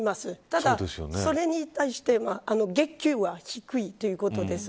ただ、それに対して月給は低いということです。